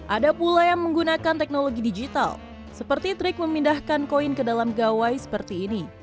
ada pula yang menggunakan teknologi digital seperti trik memindahkan koin ke dalam gawai seperti ini